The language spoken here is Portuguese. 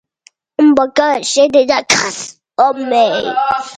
seguintes percentuais